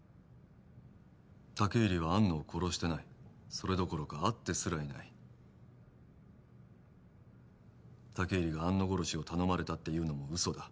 武入は安野を殺してないそれどころか会ってすらいない武入が安野殺しを頼まれたっていうのも嘘だ